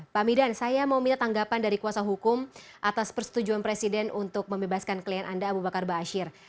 pak midan saya mau minta tanggapan dari kuasa hukum atas persetujuan presiden untuk membebaskan klien anda abu bakar ⁇ asyir ⁇